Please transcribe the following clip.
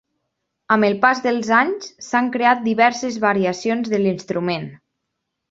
Amb el pas dels anys, s'han creat diverses variacions de l'instrument.